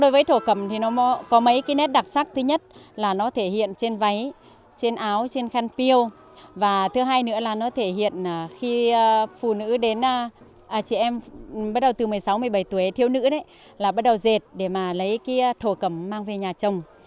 bắt đầu từ một mươi sáu một mươi bảy tuổi thiếu nữ là bắt đầu dệt để mà lấy cái thổ cầm mang về nhà chồng